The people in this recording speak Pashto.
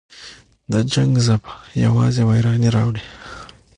د جنګ ژبه یوازې ویرانی راوړي.